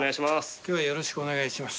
よろしくお願いします。